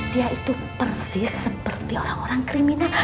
dia itu persis seperti orang orang kriminal